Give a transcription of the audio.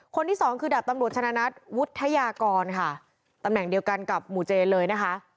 คนที่สองคือดาบตำรวจชนะนัทวุฒิยากรค่ะตำแหน่งเดียวกันกับหมู่เจนเลยนะคะ